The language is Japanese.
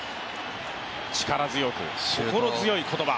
力強く、心強い言葉。